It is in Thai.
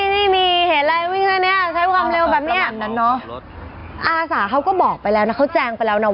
แบบเฮ้ยมีเห็นไหมวิ่งชั้นเนี่ยใช้ความเร็วแบบนี้อาสาเค้าก็บอกไปแล้วนะก็แจงไปแล้วนะว่า